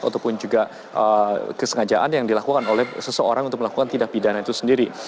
ataupun juga kesengajaan yang dilakukan oleh seseorang untuk melakukan tindak pidana itu sendiri